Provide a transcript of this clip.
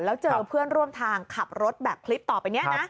แล้วเจอเพื่อนร่วมทางขับรถแบบคลิปต่อไปนี้นะ